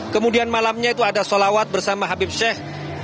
kemudian malamnya itu ada sholawat bersama habib sheikh